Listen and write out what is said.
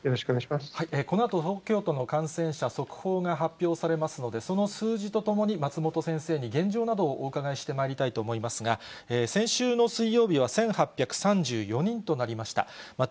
このあと東京都の感染者、速報が発表されますので、その数字とともに、松本先生に、現状などをお伺いしてまいりたいと思いますが、先週の水曜日は１８３４人となりました。